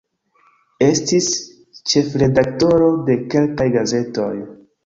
Estis ĉefredaktoro de kelkaj gazetoj.